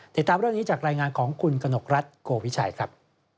ติดตามเรื่องนี้จากรายงานของคุณกนกรัฐโกวิชัยครับ